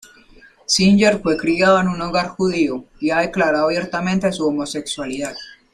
Singer fue criado en un hogar judío y ha declarado abiertamente su homosexualidad.